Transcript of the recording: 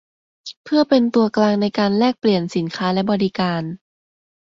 เพื่อเป็นตัวกลางในการแลกเปลี่ยนสินค้าและบริการ